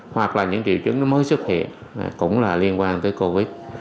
hoặc là những triệu chứng nó mới xuất hiện cũng là liên quan tới covid